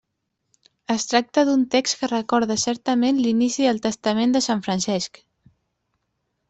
Es tracta d'un text que recorda certament l'inici del Testament de sant Francesc.